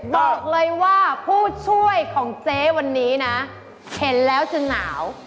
บอกเลยว่าผู้ช่วยของเจ๊วันนี้นะเห็นแล้วจะหนาว